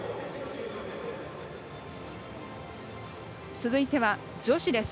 続いては女子です。